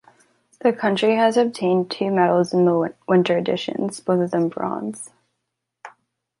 The country has obtained two medals in the winter editions, both of them bronze.